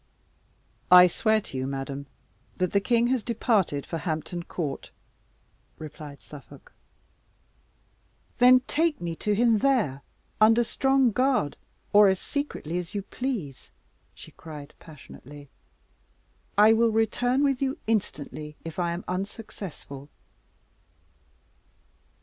"I swear to you, madam, that the king has departed for Hampton Court," replied Suffolk. "Then take me to him there, under strong guard, or as secretly as you please," she cried passionately; "I will return with you instantly, if I am unsuccessful."